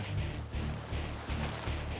gue udah tau boy